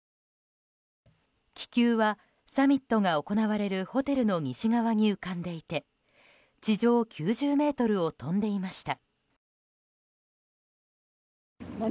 気球はサミットが行われるホテルの西側に浮かんでいて地上９０ｍを飛んでいました。